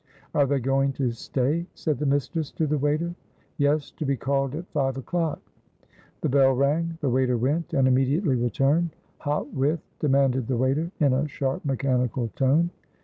"Are they going to stay?" said the mistress to the waiter. "Yes, to be called at five o'clock." The bell rang. The waiter went and immediately returned. "Hot with," demanded the waiter, in a sharp, mechanical tone.